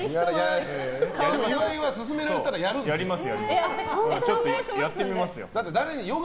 でも、岩井は勧められたらやるんですよ。